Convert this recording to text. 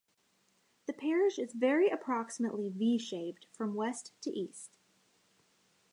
The parish is very approximately V shaped from West to East.